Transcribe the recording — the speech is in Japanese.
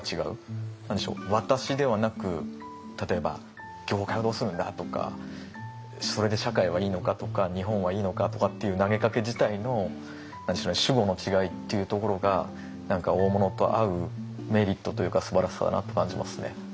何でしょう「私」ではなく例えば「業界」をどうするんだ？とかそれで「社会」はいいのか？とか「日本」はいいのか？とかっていう投げかけ自体の主語の違いっていうところが何か大物と会うメリットというかすばらしさだなと感じますね。